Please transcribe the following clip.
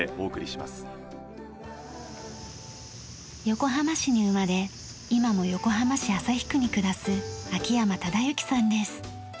横浜市に生まれ今も横浜市旭区に暮らす秋山忠之さんです。